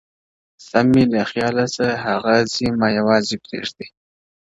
o سم مي له خياله څه هغه ځي مايوازي پرېــږدي،